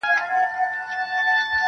چي لاپي مو د تورو او جرګو ورته کولې-